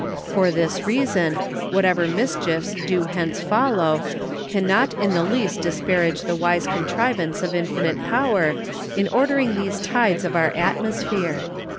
For this reason, whatever Mischiefs do hence follow, cannot in the least disparage the Wise Contrivance of Infinite Power in ordering these Tides of our Atmosphere.